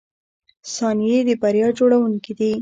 • ثانیې د بریا جوړونکي دي.